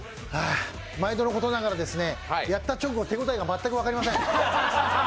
毎度のことながらやった直後、手応えが全く分かりません。